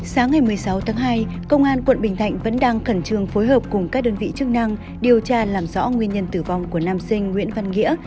sáng ngày một mươi sáu tháng hai công an quận bình thạnh vẫn đang khẩn trương phối hợp cùng các đơn vị chức năng điều tra làm rõ nguyên nhân tử vong của nam sinh nguyễn văn nghĩa